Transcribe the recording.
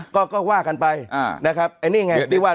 ก็ว่ากันไปนะครับไอ้นี่ไง